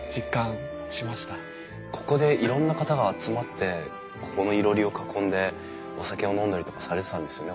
ここでいろんな方が集まってここのいろりを囲んでお酒を飲んだりとかされてたんですね。